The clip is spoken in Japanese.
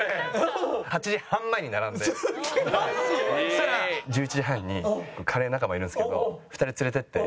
そしたら１１時半にカレー仲間いるんですけど２人連れてって。